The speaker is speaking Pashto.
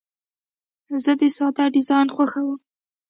زه د ساده ډیزاین خوښوم.